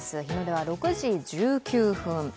日の出は６時１９分。